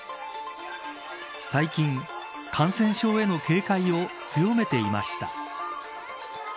最近感染症への警戒を強めていました。